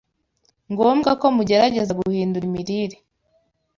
ngombwa ko mugerageza guhindura imirire